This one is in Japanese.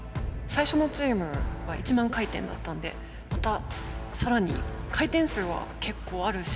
最初のチームが１万回転だったんでまた更に回転数は結構あるし。